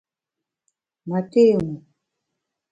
Ma té wu !